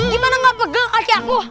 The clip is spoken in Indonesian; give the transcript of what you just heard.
gimana gak pegel kaki aku